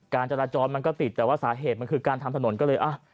จราจรมันก็ติดแต่ว่าสาเหตุมันคือการทำถนนก็เลยอ่ะ